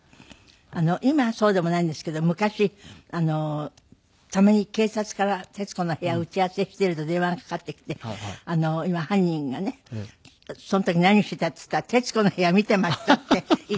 今はそうでもないんですけど昔たまに警察から『徹子の部屋』打ち合わせしていると電話がかかってきて今犯人がね「その時何していた？」って言ったら「『徹子の部屋』見ていました」って言ったんだけど。